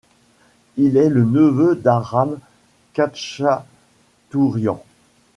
Il est le neveu d'Aram Khatchatourian.